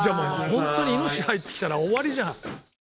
ホントにイノシシ入ってきたら終わりじゃん。